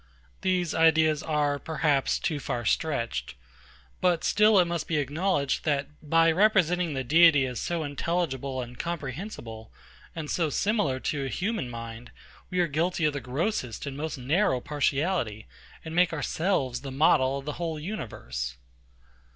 These ideas are, perhaps, too far stretched; but still it must be acknowledged, that, by representing the Deity as so intelligible and comprehensible, and so similar to a human mind, we are guilty of the grossest and most narrow partiality, and make ourselves the model of the whole universe.